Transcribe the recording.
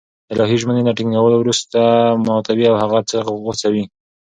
الهي ژمني له ټينگولو وروسته ماتوي او هغه څه غوڅوي